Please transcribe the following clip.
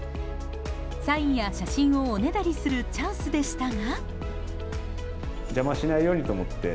サインや写真をおねだりするチャンスでしたが。